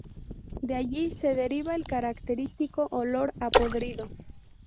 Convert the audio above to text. De allí se deriva el característico "olor a podrido".